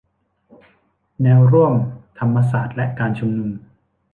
แนวร่วมธรรมศาสตร์และการชุมนุม